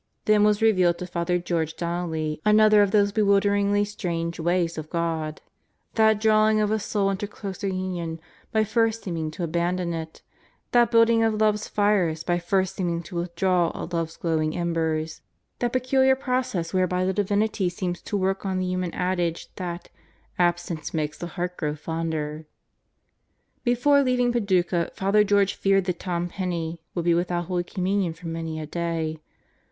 Then was revealed to Father George Donnelly another of those bewilderingly strange ways of God that drawing of a soul into closer union by first seeming to aban don it; that building of love's fires by first seeming to withdraw all love's glowing embers; that peculiar process whereby the Divinity seems to work on the human adage that "absence makes the heart grow fonder." Before leaving Paducah, Father George feared that Tom Penney would be without Holy Communion for many a day.